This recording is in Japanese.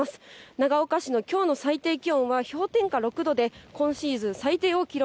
長岡市のきょうの最低気温は氷点下６度で、今シーズン最低を記録。